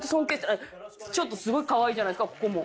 あっちょっとすごいかわいいじゃないですかここも。